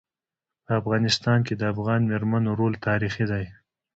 په افغانستان کي د افغان میرمنو رول تاریخي دی.